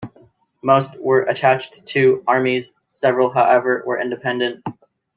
Most were attached to armies, several however were independent.